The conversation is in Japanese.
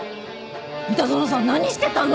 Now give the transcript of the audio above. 三田園さん何してたの？